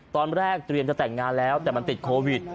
ตอนแรกเตรียมจะแต่งงานแล้วแต่มันติดโควิด